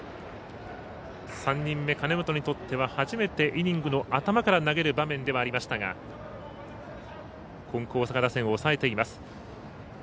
３人目、金本にとっては初めてイニングの頭から投げる場面ではありましたが金光大阪打線を抑えています。